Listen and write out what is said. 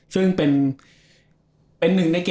ซึ่งเป็น